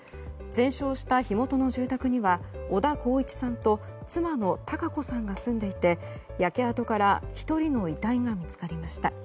全焼した火元の住宅には小田浩一さんと妻のたか子さんが住んでいて焼け跡から１人の遺体が見つかりました。